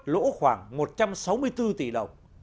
lỗ khoảng một trăm sáu mươi bốn tỷ đồng